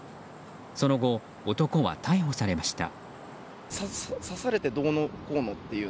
その後、男は逮捕されました。